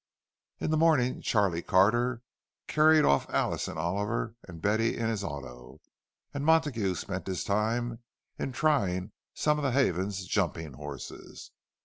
In the morning Charlie Carter carried off Alice and Oliver and Betty in his auto; and Montague spent his time in trying some of Havens's jumping horses.